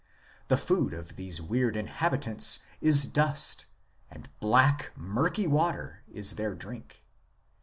The food of these weird inhabitants is dust, and black, murky water is their drink.